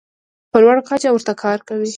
په لوړه کچه ورته کار کوي.